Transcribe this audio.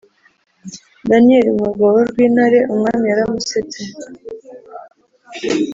Danyeli mu rwobo rw intare Umwami yaramusetse